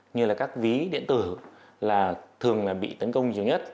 như là các ví điện tử là thường bị tấn công